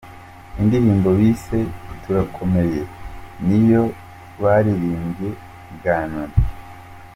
Indirimbo bise 'Turakomeye' ni yo baririmbye bwa nyuma.